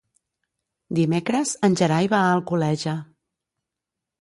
Dimecres en Gerai va a Alcoleja.